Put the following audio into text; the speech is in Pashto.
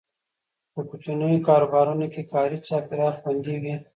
په کوچنیو کاروبارونو کې کاري چاپیریال خوندي وي.